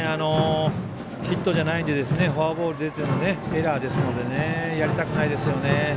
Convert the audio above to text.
ヒットじゃないのでフォアボールで出てエラーですのでやりたくないですよね。